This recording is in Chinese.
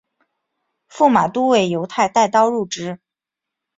驸马都尉游泰带刀入直。